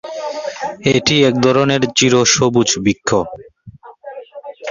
এটি এক ধরনের চিরসবুজ বৃক্ষ।